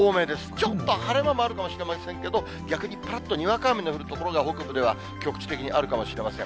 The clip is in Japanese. ちょっと晴れ間もあるかもしれませんけど、逆にぱらっとにわか雨の降る所が、北部では局地的にあるかもしれません。